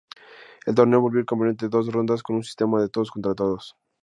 El torneo volvió al campeonato de dos rondas con un sistema de todos-contra-todos.